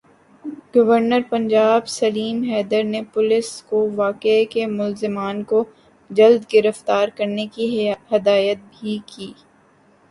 governor Punjab Salim Haider نے police کو واقعے کے ملزمان کو جلد گرفتار کرنے کی ہدایت بھی کی